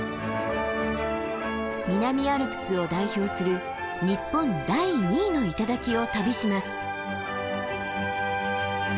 南アルプスを代表する日本第２位の頂を旅します。